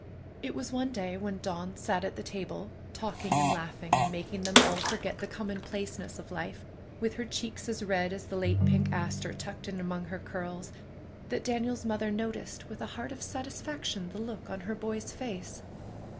It was one day when Dawn sat at the table, talking and laughing and making them all forget the common placeness of life, with her cheeks as red as the late pink aster tucked in among her curls, that Daniel's mother noticed with a heart of satisfaction the look on her boy's face.